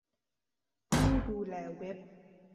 ผู้ดูแลเว็บ